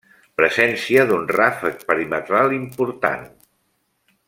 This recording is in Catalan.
Presència d'un ràfec perimetral important.